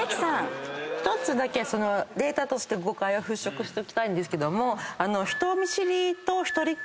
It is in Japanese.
１つだけデータとして誤解を払拭したいんですけども。